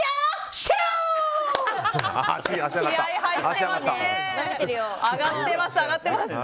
気合入ってますね。